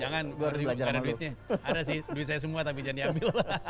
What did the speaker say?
jangan gue dibuka ada duitnya ada sih duit saya semua tapi jangan diambil